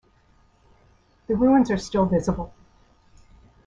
The ruins are still visible.